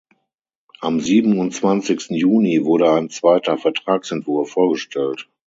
Am siebenundzwanzigsten Juni wurde ein zweiter Vertragsentwurf vorgestellt.